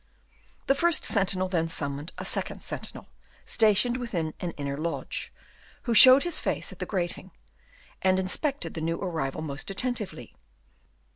The first sentinel then summoned a second sentinel, stationed within an inner lodge, who showed his face at the grating, and inspected the new arrival most attentively.